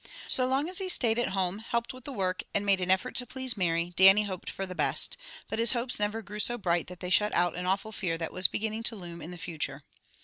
So long as he stayed at home, helped with the work, and made an effort to please Mary, Dannie hoped for the best, but his hopes never grew so bright that they shut out an awful fear that was beginning to loom in the future.